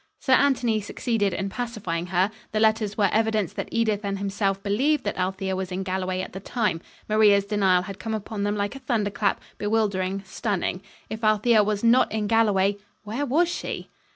Sir Anthony succeeded in pacifying her. The letters were evidence that Edith and himself believed that Althea was in Galloway at the time. Maria's denial had come upon them like a thunderclap, bewildering, stunning. If Althea was not in Galloway, where was she?